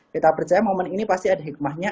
kita percaya momen ini pasti ada hikmahnya